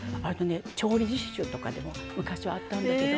調理実習とかでも昔はあったんだけど。